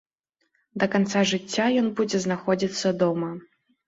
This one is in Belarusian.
Да канца жыцця ён будзе знаходзіцца дома.